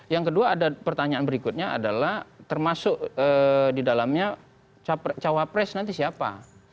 yang kedua ada pertanyaan berikutnya adalah termasuk di dalamnya cawapres nanti siapa